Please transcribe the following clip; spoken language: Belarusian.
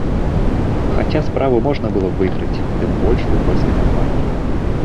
Хаця справу можна было б выйграць, тым больш у польскай кампаніі.